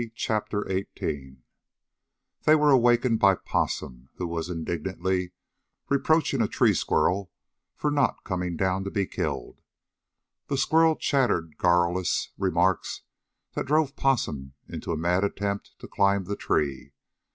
CHAPTER XVIII They were awakened by Possum, who was indignantly reproaching a tree squirrel for not coming down to be killed. The squirrel chattered garrulous remarks that drove Possum into a mad attempt to climb the tree.